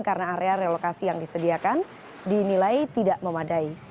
karena area relokasi yang disediakan dinilai tidak memadai